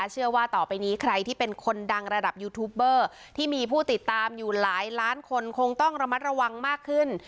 เชื่อว่าต่อไปนี้ใครที่เป็นคนดังระดับยูทูปเบอร์ที่มีผู้ติดตามอยู่หลายล้านคนคงต้องระมัดระวังมากขึ้น